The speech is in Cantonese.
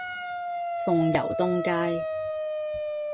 鳳攸東街